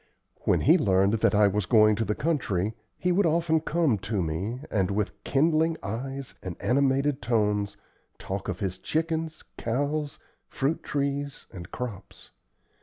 When he learned that I was going to the country, he would often come to me, and, with kindling eyes and animated tones, talk of his chickens, cows, fruit trees and crops.